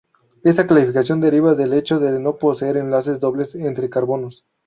Esta clasificación, deriva del hecho de no poseer enlaces dobles entre carbonos.